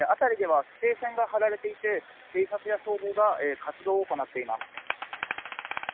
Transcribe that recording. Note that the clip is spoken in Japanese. あたりでは規制線が張られていて警察や消防が活動を行っています。